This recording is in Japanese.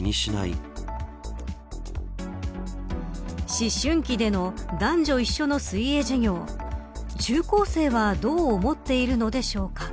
思春期での男女一緒の水泳授業中高生はどう思っているのでしょうか。